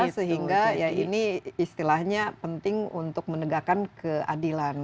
sehingga ya ini istilahnya penting untuk menegakkan keadilan